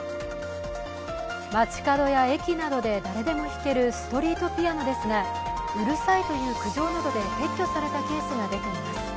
街角や駅などで誰でも弾けるストリートピアノですがうるさいという苦情などで撤去されたケースが出ていてます。